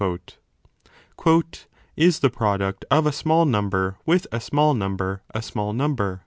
2 Is the product of a 35 small number with a small number a small number